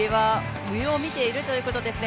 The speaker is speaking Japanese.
上を見ているということですね。